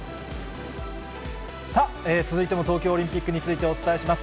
さあ、続いても東京オリンピックについてお伝えします。